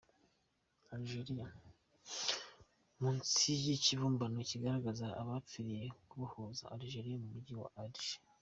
Algérie : Munsi y’Ikibumbano kigaragaza abapfiriye kubohoza Algeria mu mujyi wa Alger.